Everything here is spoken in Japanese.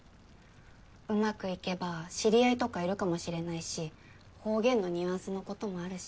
うまくいけば知り合いとかいるかもしれないし方言のニュアンスのこともあるし。